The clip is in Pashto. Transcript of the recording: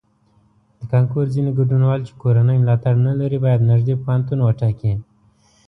د کانکور ځینې ګډونوال چې کورنی ملاتړ نه لري باید نږدې پوهنتون وټاکي.